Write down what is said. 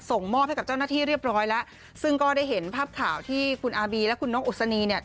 ส่งมอบให้กับเจ้าหน้าที่เรียบร้อยแล้วซึ่งก็ได้เห็นภาพข่าวที่คุณอาบีและคุณนกอุศนีเนี่ย